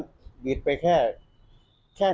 พี่เกียจพูดดวยแล้วจะจัดทาง